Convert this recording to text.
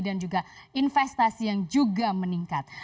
juga investasi yang juga meningkat